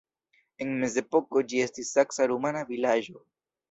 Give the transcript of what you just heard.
En mezepoko ĝi estis saksa-rumana vilaĝo.